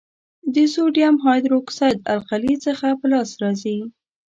د سوډیم هایدرو اکسایډ القلي څخه په لاس راځي.